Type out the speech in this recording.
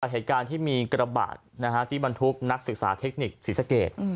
เหตุการณ์ที่มีกระบะที่บรรทุกนักศึกษาเทคนิคศรีสเกต